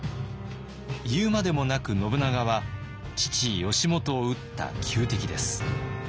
言うまでもなく信長は父義元を討った仇敵です。